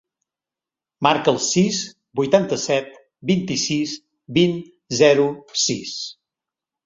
Marca el sis, vuitanta-set, vint-i-sis, vint, zero, sis.